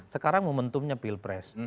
sekarang momentumnya pilpres